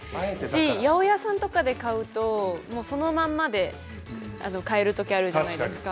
八百屋さんとかで買うともうそのまんまで買える時あるじゃないですか。